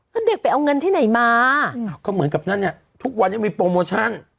แล้วเด็กไปเอาเงินที่ไหนมาอ้าวก็เหมือนกับนั่นเนี่ยทุกวันนี้มีโปรโมชั่น